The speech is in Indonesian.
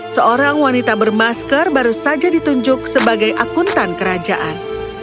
seorang wanita bermasker baru saja ditunjuk sebagai akuntan kerajaan